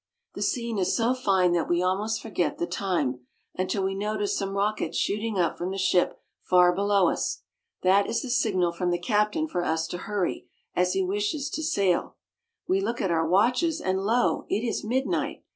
The scene is so fine that we almost forget the time, until we notice some rockets shooting up from the ship far below us. That is the signaj from the captain for us to hurry, as he wishes to sail. We look at our watches, and lo ! it is midnight.